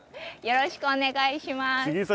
よろしくお願いします。